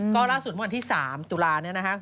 ก็ล่าสุดเมื่อวันที่๓ตุลาเนี่ยนะครับ